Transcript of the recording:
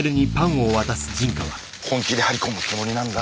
本気で張り込むつもりなんだ？